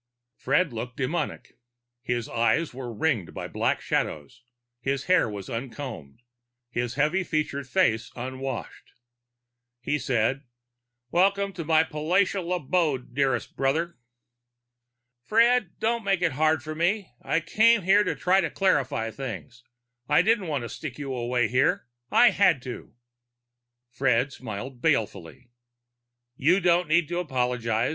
Fred looked demonic. His eyes were ringed by black shadows; his hair was uncombed, his heavy featured face unwashed. He said, "Welcome to my palatial abode, dearest brother." "Fred, don't make it hard for me. I came here to try to clarify things. I didn't want to stick you away here. I had to." Fred smiled balefully. "You don't need to apologize.